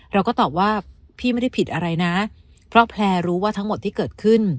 เราก็ตอบว่าพี่ไม่ได้ผิดอะไรนะเพราะแพลร์รู้ว่าทั้งหมดที่เกิดขึ้น